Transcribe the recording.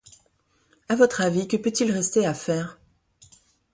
à votre avis, que peut-il rester à faire ?